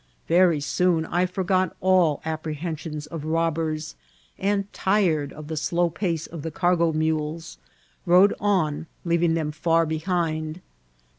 Very soon I forgot all apprehen^ sions of robbersy and, tired of the slow pace of tfie car* go muleS) rode on, leaving them £ur behind.